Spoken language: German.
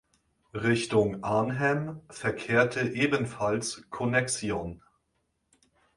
Richtung Arnhem verkehrte ebenfalls Connexxion.